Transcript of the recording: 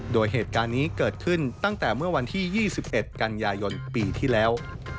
โดยเหตุการณ์นี้เกิดขึ้นตั้งแต่เมื่อวันที่๒๑กันยายนปีที่แล้ว